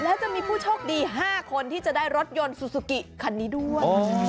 แล้วจะมีผู้โชคดี๕คนที่จะได้รถยนต์ซูซูกิคันนี้ด้วย